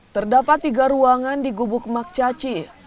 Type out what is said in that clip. terdapat tiga ruangan di gubuk mak caci